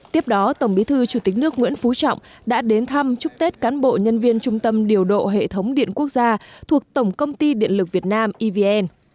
tiếp đó tổng bí thư chủ tịch nước nguyễn phú trọng đã đến thăm chúc tết cán bộ nhân viên trung tâm điều độ hệ thống điện quốc gia thuộc tổng công ty điện lực việt nam evn